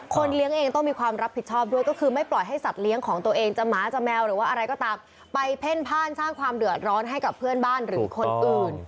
เลี้ยงเองต้องมีความรับผิดชอบด้วยก็คือไม่ปล่อยให้สัตว์เลี้ยงของตัวเองจะหมาจะแมวหรือว่าอะไรก็ตามไปเพ่นพ่านสร้างความเดือดร้อนให้กับเพื่อนบ้านหรือคนอื่น